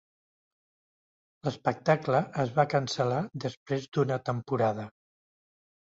L'espectacle es va cancel·lar després d'una temporada.